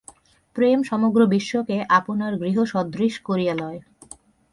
প্রেম সমগ্র বিশ্বকে আপনার গৃহসদৃশ করিয়া লয়।